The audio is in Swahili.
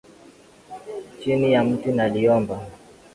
Chini ya mti naliomba,